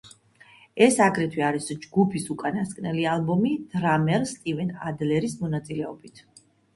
ეს აგრეთვე არის ჯგუფის უკანასკნელი ალბომი დრამერ სტივენ ადლერის მონაწილეობით.